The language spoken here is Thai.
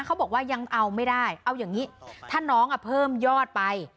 เขาบอกว่ายังเอาไม่ได้เอาอย่างนี้ถ้าน้องเพิ่มยอดไป